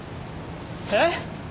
えっ？